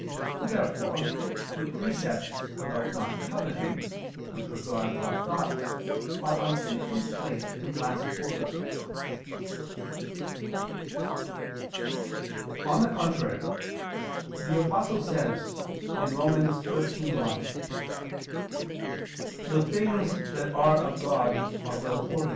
Therefore the precepts about not coveting, which regard our thoughts, are unsuitably placed last in order. On the contrary, The Apostle says (Rom. 13:1): "The things that are of God, are well ordered" [Vulg.